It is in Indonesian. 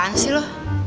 apaan sih lu